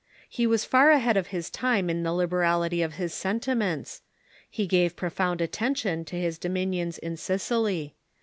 He was far ahead of his time in the liberality of his sentiments. He gave profound attention to his dominions in Sicily.